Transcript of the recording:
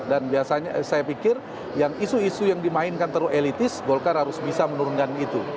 dan biasanya saya pikir yang isu isu yang dimainkan terlalu elitis golkar harus bisa menurunkan itu